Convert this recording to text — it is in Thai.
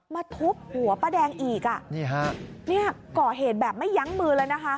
ทุบหัวป้าแดงอีกอ่ะนี่ฮะเนี่ยก่อเหตุแบบไม่ยั้งมือเลยนะคะ